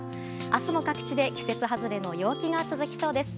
明日も各地で季節外れの陽気が続きそうです。